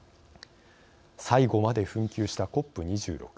最後まで紛糾したＣＯＰ２６。